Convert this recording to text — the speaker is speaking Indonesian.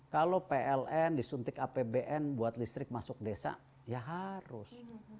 kalau pln disuntik apbn buat listrik masuk desa ya harus